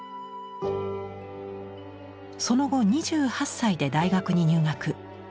その後２８歳で大学に入学。